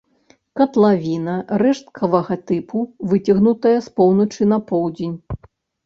Катлавіна рэшткавага тыпу, выцягнутая з поўначы на поўдзень.